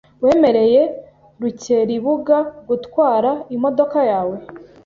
Wemereye Rukeribuga gutwara imodoka yawe?